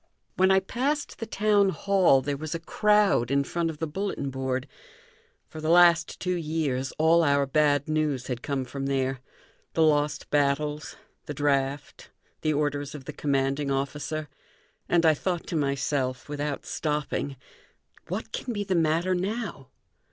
When I passed the town hall there was a crowd in front of the bulletin board. For the last two years all our bad news had come from there the lost battles, the draft, the orders of the commanding officer and I thought to myself, without stopping: "What can be the matter now?"